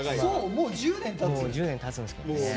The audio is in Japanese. もう１０年たつんですよね。